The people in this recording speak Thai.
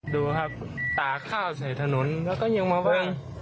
ดูครับตากข้าวใส่ถนนแล้วก็ยังมาวาง